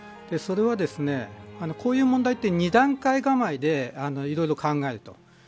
それはこういう問題で二段階構えでいろいろ考えます。